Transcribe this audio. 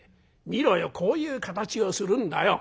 見ろよこういう形をするんだよ！」。